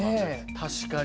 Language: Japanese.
確かに。